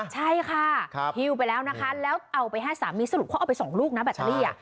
ใช่ค่ะฮิวไปแล้วนะคะแล้วเอาไปให้สามีสรุปเขาเอาไป๒ลูกนะแบตเตอรี่